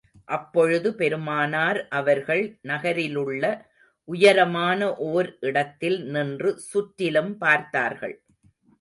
அப்பொழுது, பெருமானார் அவர்கள் நகரிலுள்ள உயரமான ஓர் இடத்தில் நின்று சுற்றிலும் பார்த்தார்கள்.